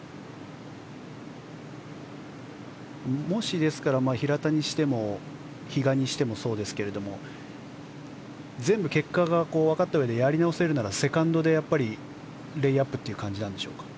もし、平田にしても比嘉にしてもそうですけども全部結果が分かったうえでやり直せるならばセカンドで、やっぱりレイアップという感じですか。